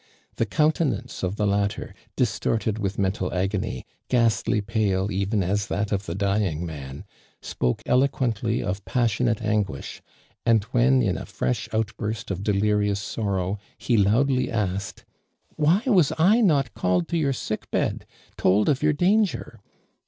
The countenance of the latter, distorted with menttil agony, ghastly pale even as that of the dying man, spoke eloquently of passionate anguish, and when in a fresh outburst of delirious sorrow, he loudly asked :" Why was I not called to your sick bed, told of your danger